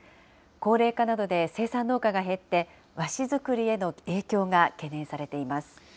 高齢化などで生産農家が減って、和紙作りへの影響が懸念されています。